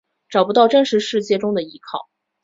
找不到真实世界中的依靠